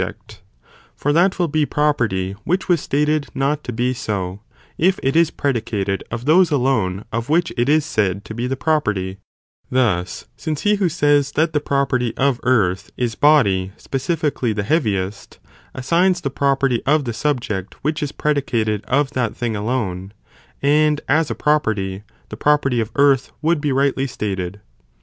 453 ject, for that will be property which was stated not to be so, | if it is predicated of those alone of which it is said to be the property ; thus, since he who says that the property of earth, is body specifically the heaviest, assigns the property of the subject which is predicated of that thing alone, and as a pro perty, the property of earth would be rightly stated.